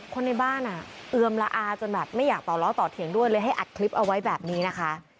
คนในบ้านอ่ะเอือมละอาจนแบบไม่อยากต่อล้อต่อเถียงด้วยเลยให้อัดคลิปเอาไว้แบบนี้นะคะ